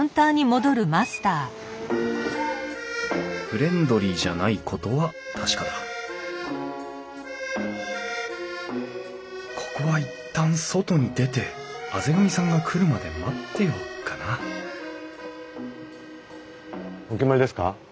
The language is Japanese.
フレンドリーじゃないことは確かだここは一旦外に出て畔上さんが来るまで待ってようかなお決まりですか？